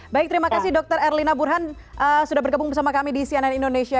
baik terima kasih dokter erlina burhan sudah bergabung bersama kami di cnn indonesia